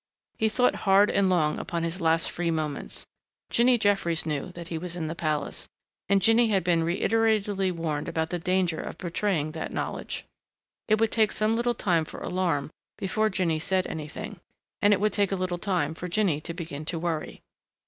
He thought hard and long upon his last free moments. Jinny Jeffries knew that he was in the palace, and Jinny had been reiteratedly warned about the danger of betraying that knowledge. It would take some little time for alarm before Jinny said anything. And it would take a little time for Jinny to begin to worry.